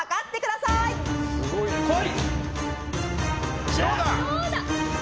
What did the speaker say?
来い！